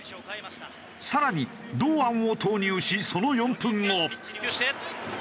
さらに堂安を投入しその４分後。